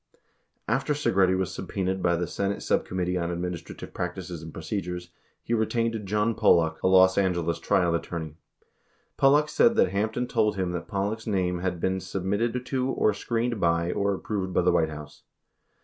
After Segretti was subpenaed by the Senate Subcommittee on Administrative Practices and Procedures, he retained John Pollock, a Los Angeles trial attorney. 87 Pollock said that Hampton told him that Pollock's name had been "submitted to or screened by or approved by the White House."